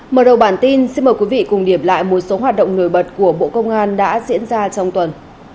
mở đầu bản tin xin mời quý vị cùng điểm lại một số hoạt động nổi bật của bộ công an đã diễn ra trong tuần